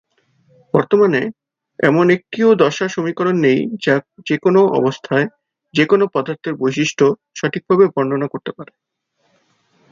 বর্তমানে, এমন একটিও দশার সমীকরণ নেই যা যেকোনো অবস্থায় যেকোনো পদার্থের বৈশিষ্ট্য সঠিকভাবে বর্ণনা করতে পারে।